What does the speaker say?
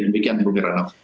demikian bukir ranau